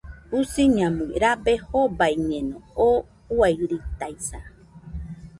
Jusiñamui rabe jobaiñeno, oo uairitaisa